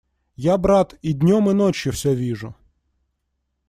Я, брат, и днем и ночью все вижу.